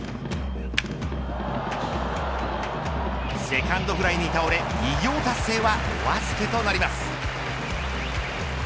セカンドフライに倒れ偉業達成はお預けとなります。